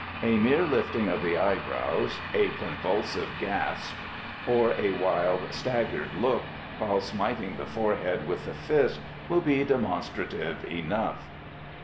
A mere lifting of the eyebrows, a convulsive gasp, or a wild, staggered look, while smiting the forehead with the fist, will be demonstrative enough.